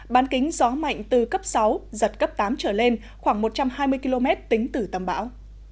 bán kính gió mạnh từ cấp sáu giật cấp tám trở lên khoảng một trăm hai mươi km tính từ tâm bão